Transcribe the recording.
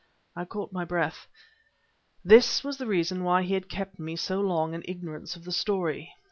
I caught my breath. This was the reason why he had kept me so long in ignorance of the story.